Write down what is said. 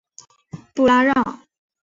布拉让。